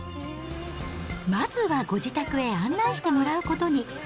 まずはご自宅へ案内してもらうことに。